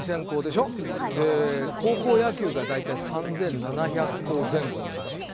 で高校野球が大体３，７００校前後なんですよ。